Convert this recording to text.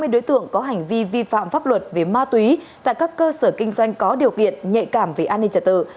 hai mươi đối tượng có hành vi vi phạm pháp luật về ma túy tại các cơ sở kinh doanh có điều kiện nhạy cảm về an ninh trật tự